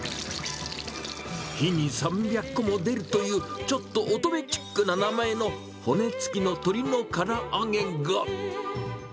日に３００個も出るというちょっと乙女チックな名前の骨付きの鶏のから揚げが。